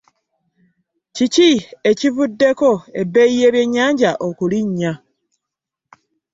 Kiki ekivuddeko bbeeyi byennyanja okulinya?